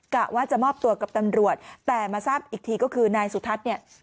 กะว่าจะมอบตัวกับตำรวจแต่มาทราบอีกทีก็คือนายสุทัศน์เนี่ย